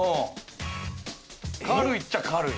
軽いちゃ軽い。